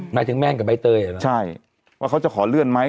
หมายถึงแม่นกับใบเตยหรือเปล่าใช่ว่าเขาจะขอเลื่อนไหม